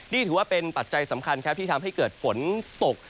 นี่ถือว่าเป็นปัจจัยสำคัญครับที่ทำให้เกิดฝนตก